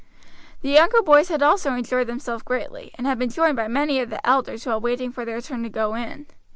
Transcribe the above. The younger boys had also enjoyed themselves greatly, and had been joined by many of the elders while waiting for their turn to go in.